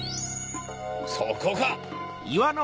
そこか！